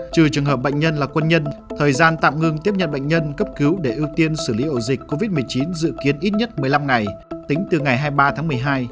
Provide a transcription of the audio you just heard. trừ trường hợp bệnh nhân là quân nhân thời gian tạm ngừng tiếp nhận bệnh nhân cấp cứu để ưu tiên xử lý ổ dịch covid một mươi chín dự kiến ít nhất một mươi năm ngày tính từ ngày hai mươi ba tháng một mươi hai